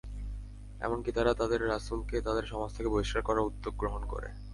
এমনকি তারা তাদের রাসূলকে তাদের সমাজ থেকে বহিষ্কার করার উদ্যোগ গ্রহণ করে।